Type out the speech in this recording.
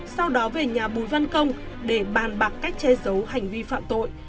sau đó về nhà bùi văn công để bàn bạc cách che giấu hành vi phạm tội